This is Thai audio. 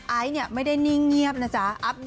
ไอ้เนี่ยไม่ได้หนิเงียบนะจ๊ะ